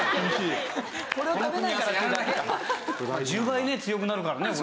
１０倍強くなるからねこれね。